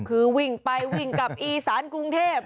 คือวิ่งไปวิ่งกลับอีสานกรุงเทพ